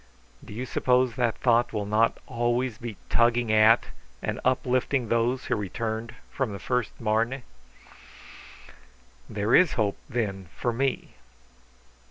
Do you suppose that thought will not always be tugging at and uplifting those who returned from the first Marne?" "There is hope, then, for me!"